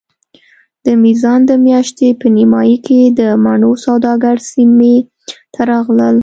د میزان د میاشتې په نیمایي کې د مڼو سوداګر سیمې ته راغلل.